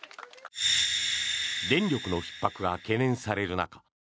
電力のひっ迫が懸念される中